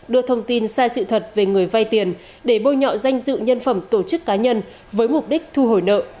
đưa thông tin sai sự thật về người vay tiền để bôi nhọ danh dự nhân phẩm tổ chức cá nhân với mục đích thu hồi nợ